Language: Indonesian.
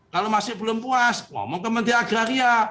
kalau masih belum puas ngomong ke menteri agraria